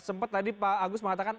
sempat tadi pak agus mengatakan